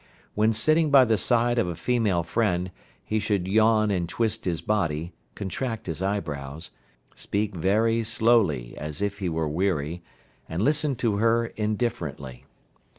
When sitting by the side of a female friend he should yawn and twist his body, contract his eyebrows, speak very slowly as if he were weary, and listen to her indifferently.